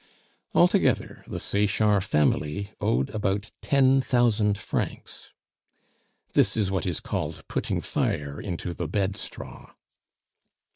Altogether, the Sechard family owed about ten thousand francs. This is what is called "putting fire into the bed straw."